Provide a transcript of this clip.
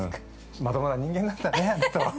◆まともな人間なんだね、あなたは。